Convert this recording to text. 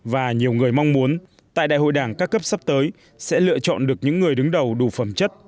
và nhiều người mong muốn tại đại hội đảng các cấp sắp tới sẽ lựa chọn được những người đứng đầu đủ phẩm chất